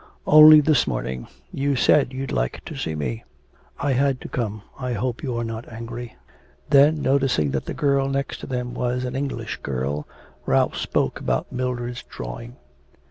'Only this morning. You said you'd like to see me. I had to come.... I hope you are not angry.' Then noticing that the girl next them was an English girl, Ralph spoke about Mildred's drawing.